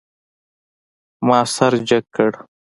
ما سر جګ کړ.